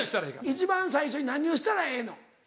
一番最初に何をしたらええの？